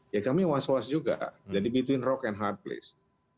ya kami was was juga jadi metoin rock and hard place